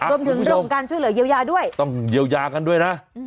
รวมถึงเรื่องของการช่วยเหลือเยียวยาด้วยต้องเยียวยากันด้วยนะ